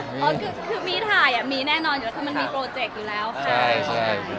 มีถ่ายมีแน่นอนอยู่ข้างหน้ามันมีโปรเจกต์อยู่แล้วข้างหน้า